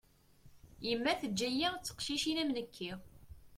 Yemma teǧǧa-iyi d teqcicin am nekki.